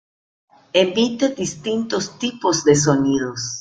Emite distintos tipos de sonidos.